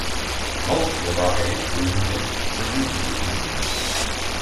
Most varieties bloom late-afternoon to evening.